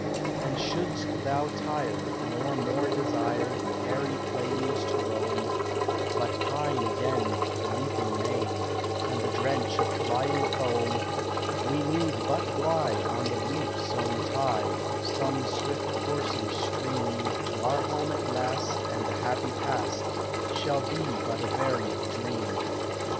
And shouldst thou tire, nor more desire The airy plains to roam, But pine again for the leaping main And the drench of flying foam, We need but glide on the leaf sown tide Of some swift coursing stream To our home at last, and the happy past Shall be but a varied dream."